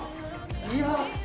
いや。